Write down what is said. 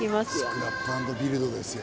スクラップアンドビルドですよ。